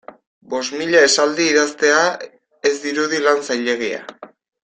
Bost mila esaldi idaztea ez dirudi lan zailegia.